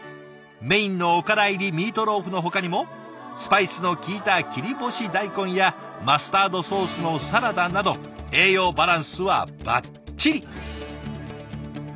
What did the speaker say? メインのおから入りミートローフのほかにもスパイスのきいた切り干し大根やマスタードソースのサラダなど栄養バランスはばっちり。